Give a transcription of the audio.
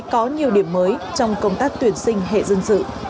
có nhiều điểm mới trong công tác tuyển sinh hệ dân sự